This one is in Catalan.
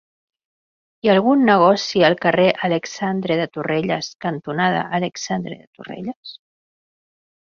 Hi ha algun negoci al carrer Alexandre de Torrelles cantonada Alexandre de Torrelles?